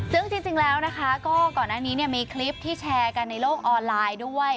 ซึ่งจริงแล้วนะคะก็ก่อนหน้านี้มีคลิปที่แชร์กันในโลกออนไลน์ด้วย